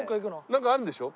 なんかあるんでしょ？